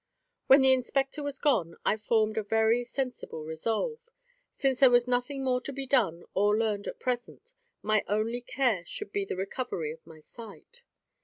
When the Inspector was gone, I formed a very sensible resolve. Since there was nothing more to be done or learned at present, my only care should be the recovery of my sight.